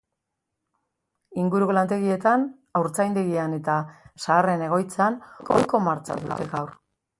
Inguruko lantegietan, haurtzaindegian eta zaharren egoitzan ohiko martxa dute gaur.